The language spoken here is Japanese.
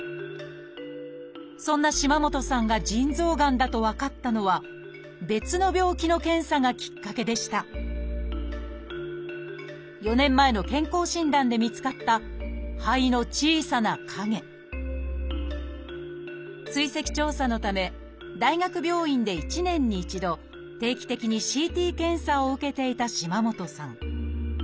そんな島本さんが腎臓がんだと分かったのは別の病気の検査がきっかけでした４年前の健康診断で見つかった肺の小さな影追跡調査のため大学病院で１年に１度定期的にＣＴ検査を受けていた島本さん。